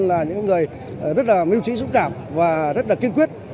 là những người rất là mưu trí dũng cảm và rất là kiên quyết